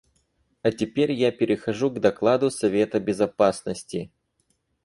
А теперь я перехожу к докладу Совета Безопасности.